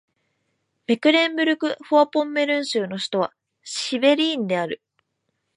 メクレンブルク＝フォアポンメルン州の州都はシュヴェリーンである